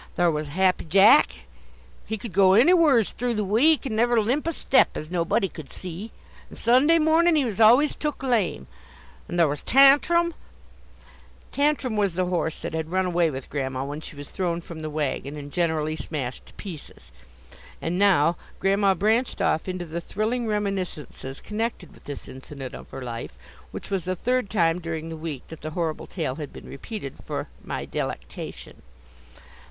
Thar' was 'Happy Jack,' he could go anywhers through the week, and never limp a step, as nobody could see, and Sunday mornin' he was always took lame! And thar' was 'Tantrum' " "Tantrum" was the horse that had run away with Grandma when she was thrown from the wagon, and generally smashed to pieces. And now, Grandma branched off into the thrilling reminiscences connected with this incident of her life, which was the third time during the week that the horrible tale had been repeated for my delectation.